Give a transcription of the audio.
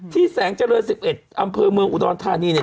แสงเจริญ๑๑อำเภอเมืองอุดรธานีเนี่ย